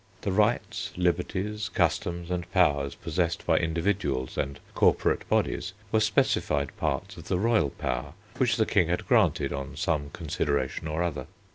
The rights, liberties, customs, and powers possessed by individuals and corporate bodies were specified parts of the royal power which the King had granted on some consideration or other.